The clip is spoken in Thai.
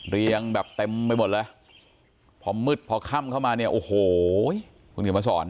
เรียงแบบเต็มไปหมดเลยพอมืดพอค่ำเข้ามาเนี่ยโอ้โหคุณเขียนมาสอน